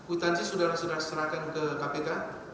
kuitansi sudara sudah serahkan ke kpk